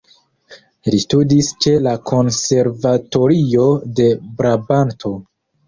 Li studis ĉe la konservatorio de Brabanto.